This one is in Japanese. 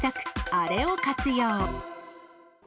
あれを活用。